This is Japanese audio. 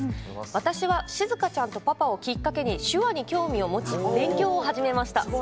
私は「しずかちゃんとパパ」をきっかけに手話に興味を持ち勉強を始めました。